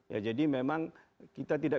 ya jadi memang kita tidak